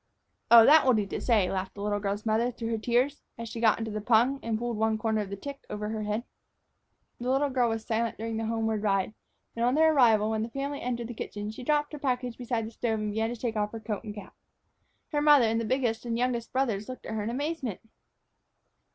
"Oh, that will do to say," laughed the little girl's mother through her tears, as she got into the pung and pulled one corner of the tick over her head. The little girl was silent during the homeward ride; and on their arrival, when the family entered the kitchen, she dropped her package beside the stove and began to take off her coat and cap. Her mother and the biggest and the youngest brothers looked at her in amazement.